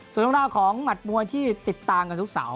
ส่วนต้องทราบของหมัดมวยที่ติดตามกันทุกสาว